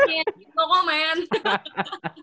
iya gitu kok men